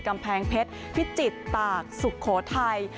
กำแพงเพชรพิจิตรตากสุโขทัย